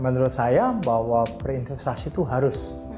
menurut saya bahwa perinvestasi itu harus